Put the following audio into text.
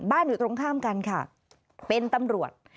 อยู่ตรงข้ามกันค่ะเป็นตำรวจ